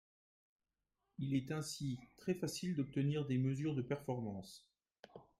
Il est ainsi très facile d'obtenir des mesures de performance